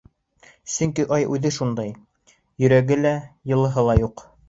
— Сөнки ай үҙе шундай: йөрәге лә, йылыһы ла юҡ.